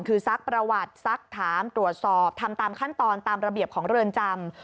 คือซักประวัติซักถามตรวจสอบทำตามขั้นตอนตามระเบียบของเรือนจำ